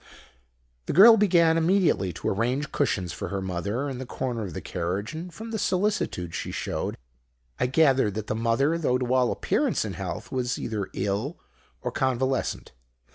"The girl began immediately to arrange cushions for her mother in the corner of the carriage; and from the solicitude she showed, I gathered that the mother, though to all appearance in health, was either ill or convalescent.